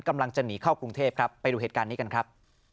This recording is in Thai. กำลังจะหนีเข้ากรุงเทพครับไปดูเหตุการณ์นี้กันครับ